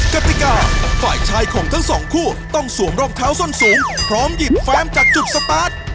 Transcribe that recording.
กติกาฝ่ายชายของทั้งสองคู่ต้องสวมรองเท้าส้นสูงพร้อมหยิบแฟมจากจุดสตาร์ท